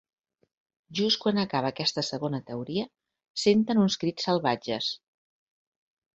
Just quan acaba aquesta segona teoria, senten uns crits salvatges.